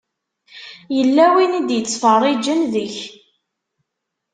Yella win i d-ittfeṛṛiǧen deg-k.